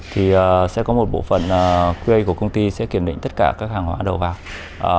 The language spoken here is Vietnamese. thì sẽ có một bộ phận qr của công ty sẽ kiểm định tất cả các hàng hóa đầu vào